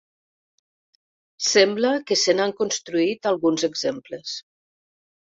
Sembla que se n'han construït alguns exemples.